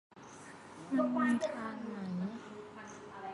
มันมีทางไหม